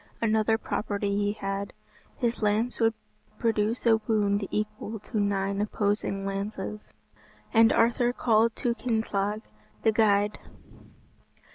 Another property he had; his lance would produce a wound equal to nine opposing lances. And Arthur called to Kynthelig the guide.